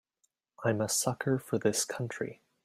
I'm a sucker for this country.